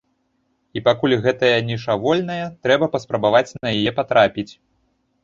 І пакуль гэтая ніша вольная, трэба паспрабаваць на яе патрапіць!